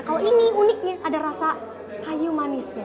kalau ini uniknya ada rasa kayu manisnya